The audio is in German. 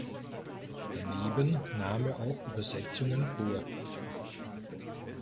Daneben nahm er auch Übersetzungen vor.